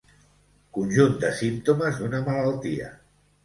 Conjunt de símptomes d'una malaltia.